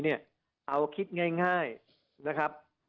เอาคิดง่ายนะครับ